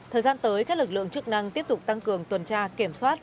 thời gian tới các lực lượng chức năng tiếp tục tăng cường tuần tra kiểm soát